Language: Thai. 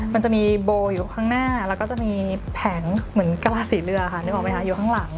มันจะมีโบอยู่ข้างหน้าแล้วก็จะมีแผงเหมือนกระลาสีเรือค่ะนึกออกไหมคะอยู่ข้างหลัง